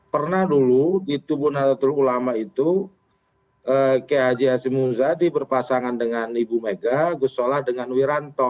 pernah dulu di tubuh nahdlatul ulama itu kayak haji haji munzadi berpasangan dengan ibu mega gus solah dengan wiranto